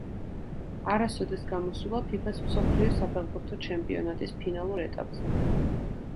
არასოდეს გამოსულა ფიფა-ს მსოფლიო საფეხბურთო ჩემპიონატის ფინალურ ეტაპზე.